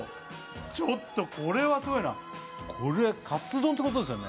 ちょっとこれはすごいなこれカツ丼ってことですよね？